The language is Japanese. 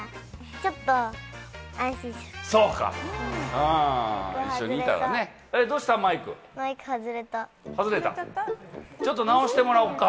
ちょっと直してもらおうか。